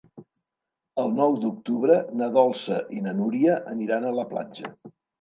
El nou d'octubre na Dolça i na Núria aniran a la platja.